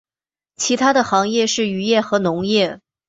其它的行业是渔业和农业。